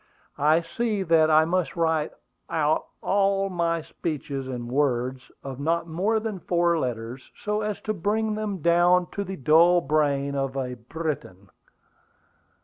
'" "I see that I must write out all my speeches in words of not more than four letters, so as to bring them down to the dull brain of a Briton."